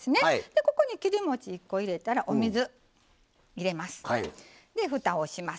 ここに切りもちを１個入れたらお水を入れます。